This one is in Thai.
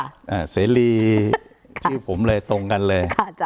เสรีชื่อผมเลยตรงกันเลย